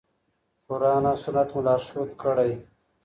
قرآن او سنت مو لارښود کړئ.